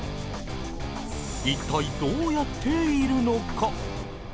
一体どうやっているのか？